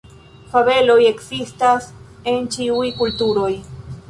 Fabeloj ekzistas en ĉiuj kulturoj.